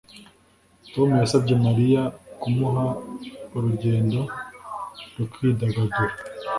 Tom yasabye Mariya kumuha urugendo rwo kwidagadura